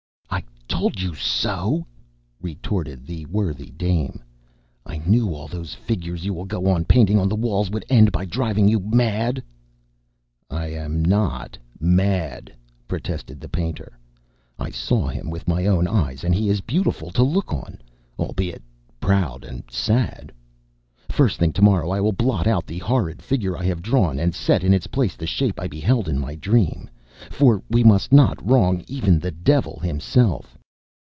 "I told you so," retorted the worthy dame; "I knew all those figures you will go on painting on the walls would end by driving you mad." "I am not mad," protested the painter. "I saw him with my own eyes; and he is beautiful to look on, albeit proud and sad. First thing tomorrow I will blot out the horrid figure I have drawn and set in its place the shape I beheld in my dream. For we must not wrong even the Devil himself."